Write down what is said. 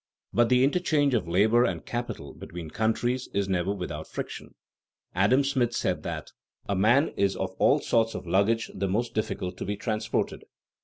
But the interchange of labor and capital between countries is never without friction. Adam Smith said that "a man is of all sorts of luggage the most difficult to be transported."